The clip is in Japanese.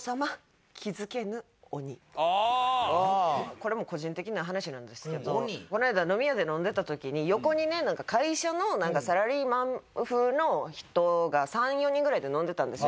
これも個人的な話なんですけどこの間飲み屋で飲んでた時に横にね会社のサラリーマン風の人が３４人ぐらいで飲んでたんですよ。